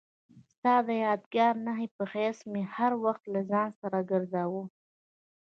ستا د یادګار نښې په حیث مې هر وخت له ځان سره ګرځاوه.